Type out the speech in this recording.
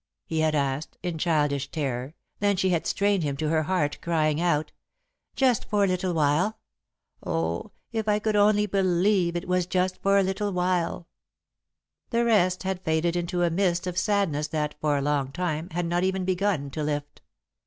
he had asked, in childish terror, then she had strained him to her heart, crying out: "Just for a little while! Oh, if I could only believe it was for just a little while!" The rest had faded into a mist of sadness that, for a long time, had not even begun to lift.